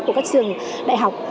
của các trường đại học